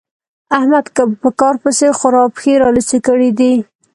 احمد په کار پسې خورا پښې رالوڅې کړې دي.